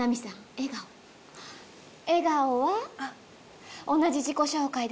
笑顔は？